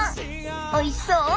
おいしそう！